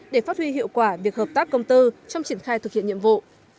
để phát huy hiệu quả việc hợp tác công tư trong triển khai thực hiện nhiệm vụ